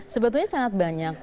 sebetulnya sangat banyak